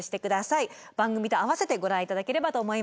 番組とあわせてご覧いただければと思います。